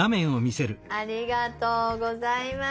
ありがとうございます。